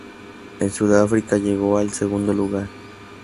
En Sudáfrica llegó al segundo lugar.